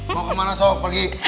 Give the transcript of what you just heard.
mau kemana sok pergi